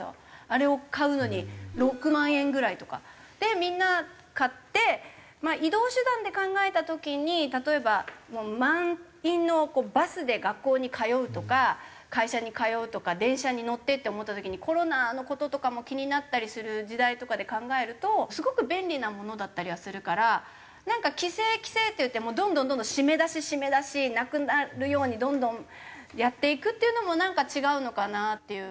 あれを買うのに６万円ぐらいとか。でみんな買って移動手段で考えた時に例えば満員のバスで学校に通うとか会社に通うとか電車に乗ってって思った時にコロナの事とかも気になったりする時代とかで考えるとすごく便利なものだったりはするからなんか規制規制って言ってどんどんどんどん締め出し締め出しなくなるようにどんどんやっていくっていうのもなんか違うのかなっていう。